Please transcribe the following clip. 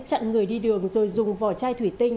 chặn người đi đường rồi dùng vỏ chai thủy tinh